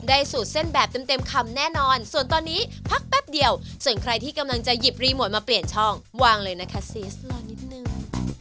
สูตรเส้นแบบเต็มคำแน่นอนส่วนตอนนี้พักแป๊บเดียวส่วนใครที่กำลังจะหยิบรีโมทมาเปลี่ยนช่องวางเลยนะคะซีสรอนิดนึง